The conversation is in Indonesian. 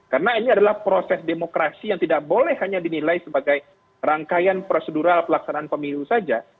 karena ini adalah proses demokrasi yang tidak boleh hanya dinilai sebagai rangkaian prosedural pelaksanaan pemilu saja